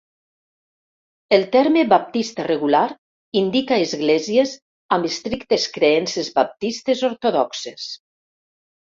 El terme "baptista regular" indica esglésies amb estrictes creences baptistes ortodoxes.